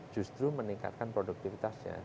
justru meningkatkan produktivitasnya